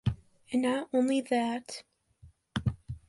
And not only that.